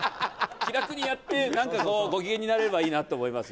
気楽にやって、なんかこう、ご機嫌になれればいいなと思います。